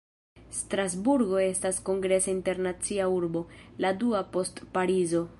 Strasburgo estas kongresa internacia urbo, la dua post Parizo.